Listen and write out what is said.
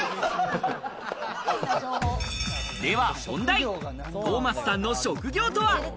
では問題、トーマスさんの職業とは？